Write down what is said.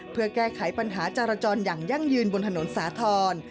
เพื่อแก้ไขปัญหาจรจรอย่างยั่งยืนบนถนนสาธรณ์